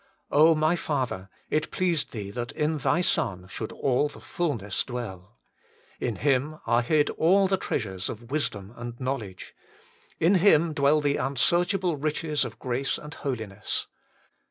my Father ! it pleased Thee that in Thy Son should all the fulness dwell. In Him are hid all the treasures of wisdom and knowledge ; in Him dwell the unsearchable riches of grace and holiness.